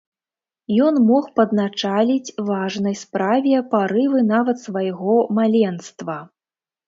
Ён мог падначаліць важнай справе парывы нават свайго маленства.